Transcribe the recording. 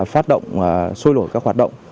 phát động xôi lổi các hoạt động